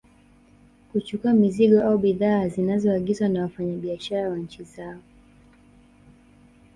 Kuchukua mizigo au bidhaa zinazoagizwa na wafanya biashara wa nchi zao